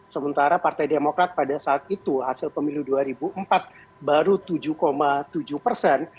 sementara partai demokrat pada saat itu hasil pemilu dua ribu empat baru tujuh tujuh persen